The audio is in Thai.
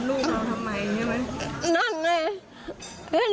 อืม